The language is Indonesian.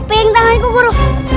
ping tanganku guru